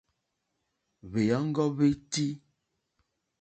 Hwèɔ́ŋɡɔ́ hwétí.